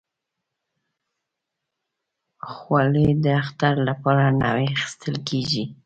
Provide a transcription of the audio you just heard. خولۍ د اختر لپاره نوي اخیستل کېږي.